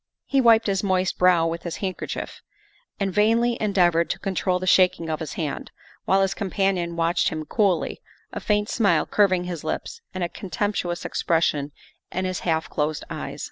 He wiped his moist brow with his handkerchief and vainly endeavored to control the shaking of his hand, while his companion watched him coolly, a faint smile curving his lips and a contemptuous expression in his half closed eyes.